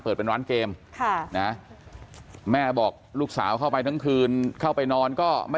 เปิดเป็นร้านเกมค่ะนะแม่บอกลูกสาวเข้าไปทั้งคืนเข้าไปนอนก็ไม่